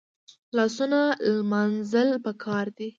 لاسونه لمانځل پکار دي